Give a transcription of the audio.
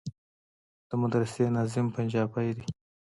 د مدرسې ناظم پنجابى دى.